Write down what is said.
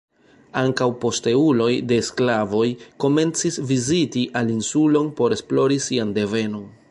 Ankaŭ posteuloj de sklavoj komencis viziti al insulon por esplori sian devenon.